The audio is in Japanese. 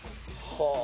はあ！